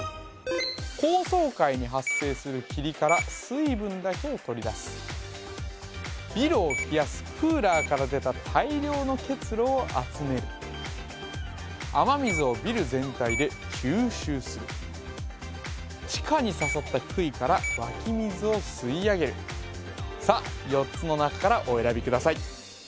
高層階に発生する霧から水分だけを取り出すビルを冷やすクーラーから出た大量の結露を集める雨水をビル全体で吸収する地下にささった杭から湧水を吸い上げるさあ４つの中からお選びください